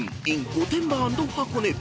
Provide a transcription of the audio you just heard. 御殿場＆箱根］